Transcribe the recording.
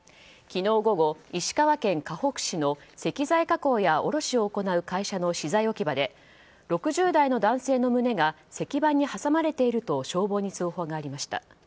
昨日午後、石川県かほく市の石材加工や卸しを行う会社の資材置き場で６０代の男性の胸が石板に挟まれていると消防に通報がありました。